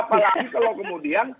apalagi kalau kemudian